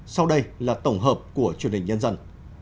sau đây là tổng hợp của truyền hình nhân dân